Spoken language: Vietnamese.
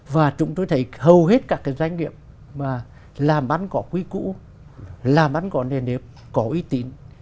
và chúng tôi thấy hầu hết các cái doanh nghiệp mà làm bán có quý cũ làm bán có nền nếp có uy tín